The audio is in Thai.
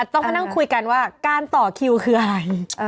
ต้องมานั่งคุยกันว่าการต่อคิวคืออะไร